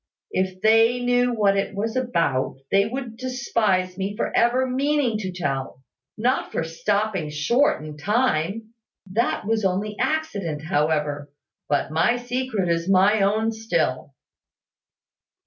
"If they knew what it was about, they would despise me for ever meaning to tell not for stopping short in time. That was only accident, however. But my secret is my own still."